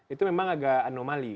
itu memang agak anomali